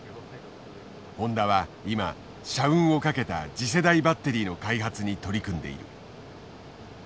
ホンダは今社運をかけた次世代バッテリーの開発に取り組んでいる。